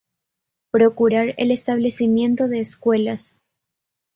Procurar el establecimiento de escuelas.